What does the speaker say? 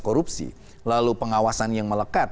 korupsi lalu pengawasan yang melekat